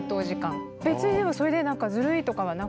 別にでもそれでなんかずるいとかはなくて。